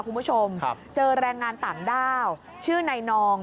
คุณผู้ชมเจอแรงงานต่างด้าวชื่อนายนอง